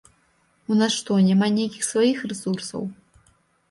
У нас што, няма нейкіх сваіх рэсурсаў?